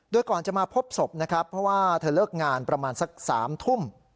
โดยก่อนจะมาพบศพนะครับเพราะว่าเธอเลิกงานประมาณสัก๓ทุ่ม